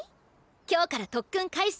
今日から特訓開始するよ。